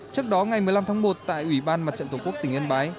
trước đó ngày một mươi năm tháng một tại ủy ban mặt trận tổ quốc tỉnh yên bái